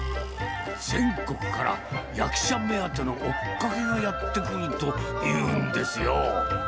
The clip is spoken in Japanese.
全国から役者目当ての追っかけがやって来るというんですよ。